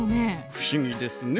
不思議ですね